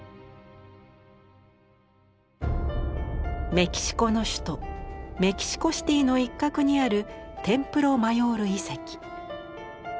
メキシコの首都メキシコシティーの一角にあるテンプロ・マヨール遺跡。